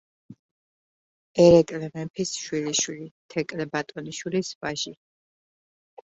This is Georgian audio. ერეკლე მეფის შვილიშვილი, თეკლე ბატონიშვილის ვაჟი.